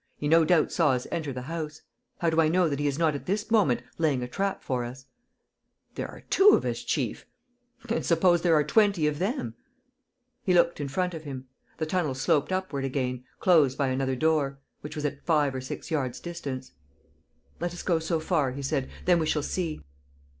He no doubt saw us enter the house. How do I know that he is not at this moment laying a trap for us?" "There are two of us, chief. ..." "And suppose there were twenty of them?" He looked in front of him. The tunnel sloped upward again, closed by another door, which was at five or six yards' distance. "Let us go so far," he said. "Then we shall see."